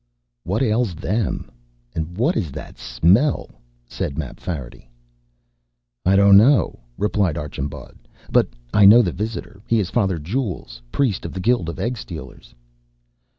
"What ails them? What is that smell?" said Mapfarity. "I don't know," replied Archambaud, "but I know the visitor. He is Father Jules, priest of the Guild of Egg stealers."